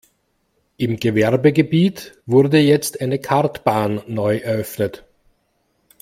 Im Gewerbegebiet wurde jetzt eine Kartbahn neu eröffnet.